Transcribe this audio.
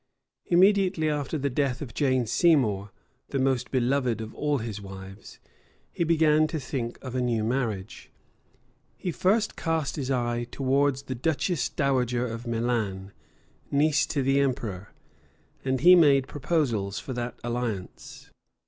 Immediately after the death of Jane Seymour, the most beloved of all his wives, he began to think of a new marriage. He first cast his eye towards the duchess dowager of Milan, niece to the emperor; and he made proposals for that alliance.